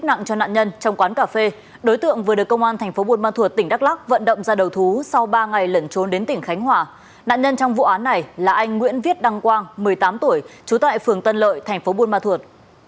nạn nhân trong vụ án này là anh nguyễn viết đăng quang một mươi tám tuổi trú tại phường tân lợi tp buôn ma thuột